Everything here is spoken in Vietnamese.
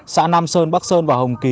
xã nam sơn bắc sơn và hồng kỳ